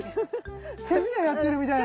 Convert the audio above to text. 手品やってるみたいな。